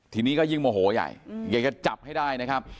ทีนี้ก็ยิ่งโมโหใหญ่อยากจะจับให้ได้นะครับ